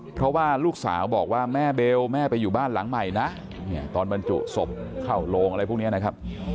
เพราะว่าลูกสาวบอกว่าแม่เบลแม่ไปอยู่บ้านหลังใหม่นะตอนบรรจุศพเข้าโรงอะไรพวกนี้นะครับ